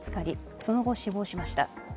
その後、死亡しました。